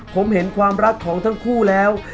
ผมเห็นความรักของทั้งคู่แล้ว